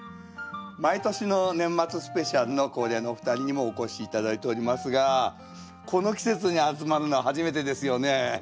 毎年の年末スペシャルの恒例のお二人にもお越し頂いておりますがこの季節に集まるのは初めてですよね。